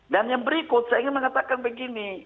dan yang berikut saya ingin mengatakan begini